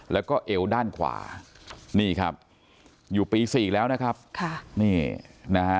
แล้วก็เอวด้านขวานี่ครับอยู่ปีสี่แล้วนะครับค่ะนี่นะฮะ